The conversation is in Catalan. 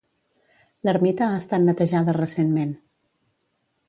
L'ermita ha estat netejada recentment.